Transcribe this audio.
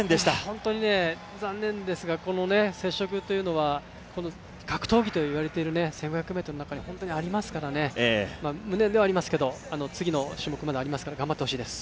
本当に残念ですが、接触というのは格闘技と言われている１５００ｍの中でありますから、無念ではありますけど次の種目がまだありますから、頑張ってほしいです。